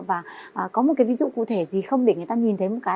và có một cái ví dụ cụ thể gì không để người ta nhìn thấy một cái